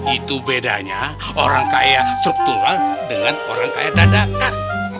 itu bedanya orang kaya struktural dengan orang kaya dadakan